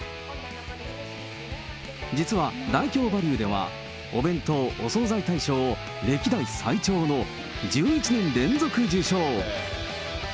実はダイキョーバリューでは、お弁当・お惣菜大賞を歴代最長の１１年連続受賞。